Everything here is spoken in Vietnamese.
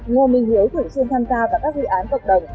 ngô minh huế thường xuyên tham gia vào các dự án cộng đồng